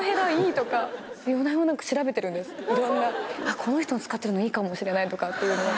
この人の使ってるのいいかもしれないとかって。